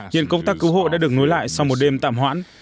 hiện công tác cứu hộ đã được nối lại sau một đêm tạm hoãn